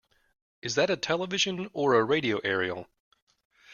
Is that a television or a radio aerial?